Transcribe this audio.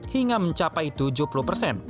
hingga mencapai tujuh puluh persen